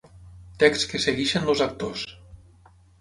Text que segueixen els actors.